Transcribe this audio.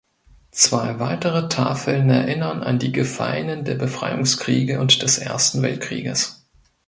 Zwei weitere Tafeln erinnern an die Gefallenen der Befreiungskriege und des Ersten Weltkrieges.